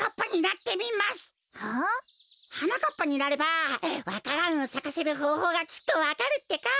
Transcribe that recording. はなかっぱになればわか蘭をさかせるほうほうがきっとわかるってか。